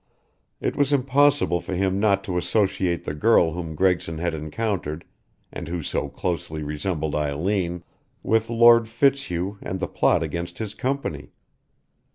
It was impossible for him not to associate the girl whom Gregson had encountered, and who so closely resembled Eileen, with Lord Fitzhugh and the plot against his company.